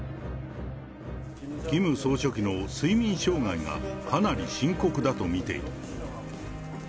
キム総書記の睡眠障害がかなり深刻だと見ている。